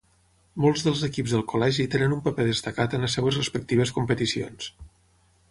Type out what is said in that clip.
Molts dels equips del Col·legi tenen un paper destacat en les seves respectives competicions.